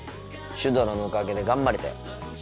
シュドラのおかげで頑張れたよ。